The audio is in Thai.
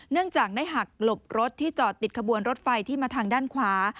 เนื่องจากได้หักหลบรถที่จอดติดขบวนรถไฟที่มาทางด้านขวา